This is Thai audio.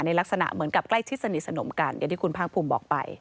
ลักษณะเหมือนกับใกล้ชิดสนิทสนมกันอย่างที่คุณภาคภูมิบอกไป